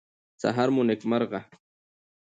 سهار مو نیکمرغه.